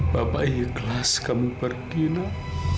bapak ikhlas kamu pergi dat